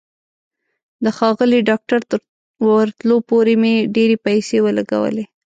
د ښاغلي ډاکټر تر ورتلو پورې مې ډېرې پیسې ولګولې.